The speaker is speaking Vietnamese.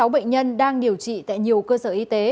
hai mươi sáu bệnh nhân đang điều trị tại nhiều cơ sở y tế